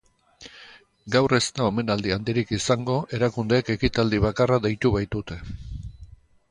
Gaur ez da omenaldi handirik izango, erakundeek ekitaldi bakarra deitu baitute.